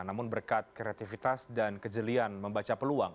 namun berkat kreativitas dan kejelian membaca peluang